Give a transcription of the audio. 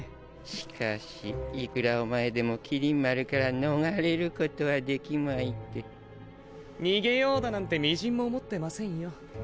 しかしいくらおまえでも麒麟丸から逃れることはできまいて。逃げようだなんて微塵も思ってませんよ。